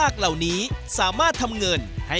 ขอบคุณค่ะ